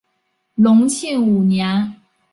隆庆五年。